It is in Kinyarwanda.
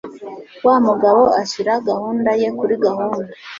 Wa mugabo ashyira gahunda ye kuri gahunda.